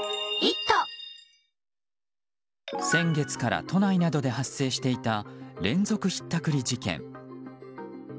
先月から都内などで発生していた連続ひったくり事件。